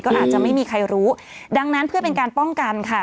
ก็อาจจะไม่มีใครรู้ดังนั้นเพื่อเป็นการป้องกันค่ะ